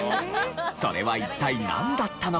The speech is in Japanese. それは一体なんだったのか？